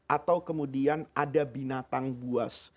atau kemudian ada binatang buas